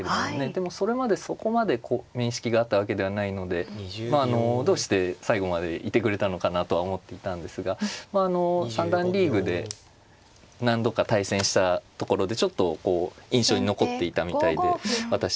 でもそれまでそこまで面識があったわけではないのでどうして最後までいてくれたのかなとは思っていたんですが三段リーグで何度か対戦したところでちょっとこう印象に残っていたみたいで私の方をですね。